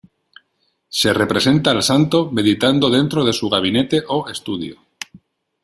Se representa al santo meditando dentro de su gabinete o estudio.